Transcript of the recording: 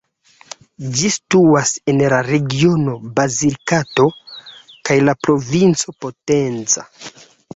Ĝi situas en la regiono Basilikato kaj la provinco Potenza.